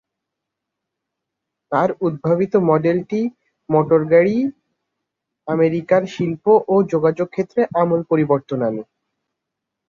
তার উদ্ভাবিত মডেল টি মোটরগাড়ি আমেরিকার শিল্প ও যোগাযোগ ক্ষেত্রে আমূল পরিবর্তন আনে।